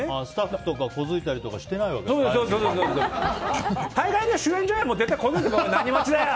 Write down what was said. スタッフとか小突いたりとかしてないんですね。